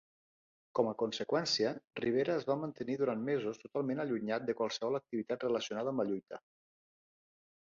Com a conseqüència, Rivera es va mantenir durant mesos totalment allunyat de qualsevol activitat relacionada amb la lluita.